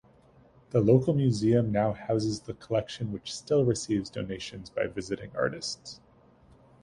The local museum now houses the collection which still receives donations by visiting artists.